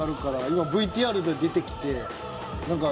今ＶＴＲで出てきてなんか。